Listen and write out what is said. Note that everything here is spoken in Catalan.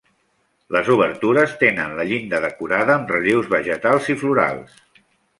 Les obertures tenen la llinda decorada amb relleus vegetals i florals.